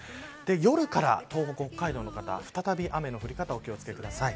夜から東北、北海道の方再び雨の降り方お気を付けください。